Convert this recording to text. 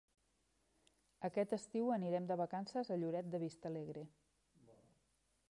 Aquest estiu anirem de vacances a Lloret de Vistalegre.